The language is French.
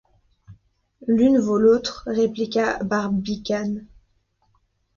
L’une vaut l’autre, répliqua Barbicane.